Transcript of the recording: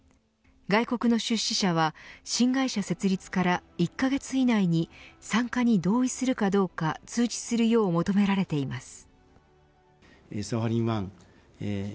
外国の出資者は新会社設立から１カ月以内に参加に同意するかどうか通知するよう求められています。